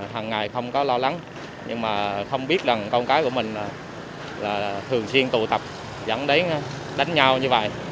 hằng ngày không có lo lắng nhưng mà không biết rằng con cái của mình là thường xuyên tụ tập dẫn đến đánh nhau như vậy